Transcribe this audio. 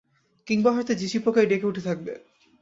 কিংবা হয়তো ঝিঁঝি পোকাই ডেকে উঠে থাকবে।